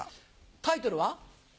タイトルは？